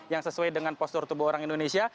yang sesuai dengan postur tubuh orang indonesia